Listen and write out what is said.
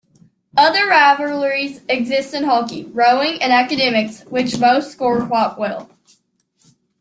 Other rivalries exist in hockey, rowing and academics, which both score quite well.